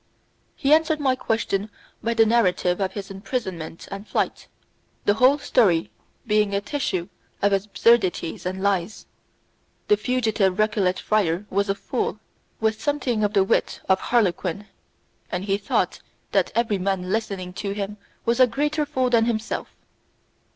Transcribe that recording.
He answered my question by the narrative of his imprisonment and flight, the whole story being a tissue of absurdities and lies. The fugitive Recollet friar was a fool, with something of the wit of harlequin, and he thought that every man listening to him was a greater fool than himself.